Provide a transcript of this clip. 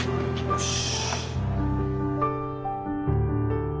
よし！